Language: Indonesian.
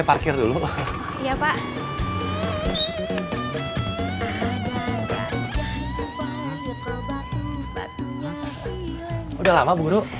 iya ma terima kasih ya ma